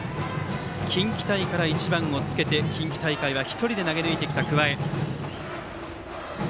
近畿大会から１番をつけて近畿大会は１人で投げ抜いてきた桑江。